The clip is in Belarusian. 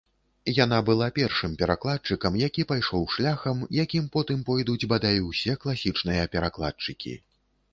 Яна была першым перакладчыкам, які пайшоў шляхам, якім потым пойдуць бадай усе класічныя перакладчыкі.